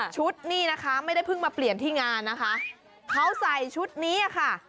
ชุดนี่นะคะไม่ได้เพิ่งมาเปลี่ยนที่งานนะคะเขาใส่ชุดนี้ค่ะ